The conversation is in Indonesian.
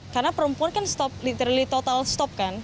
karena perempuan kan stop literally total stop kan